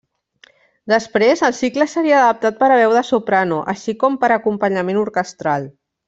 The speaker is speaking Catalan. Després, el cicle seria adaptat per a veu de soprano, així com per acompanyament orquestral.